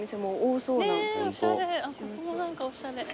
ここも何かおしゃれ。